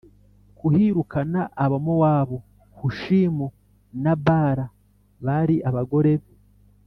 kuhirukana Abamowabu Hushimu na Bara bari abagore be